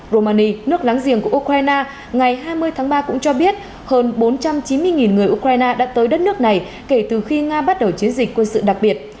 romani nước láng giềng của ukraine ngày hai mươi tháng ba cũng cho biết hơn bốn trăm chín mươi người ukraine đã tới đất nước này kể từ khi nga bắt đầu chiến dịch quân sự đặc biệt